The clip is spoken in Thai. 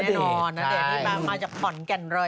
ได้นอนณเดตมาจากฝั่งกันเลย